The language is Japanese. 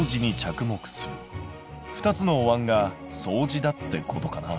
２つのおわんが相似だってことかな。